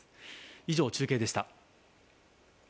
以上、中継でした。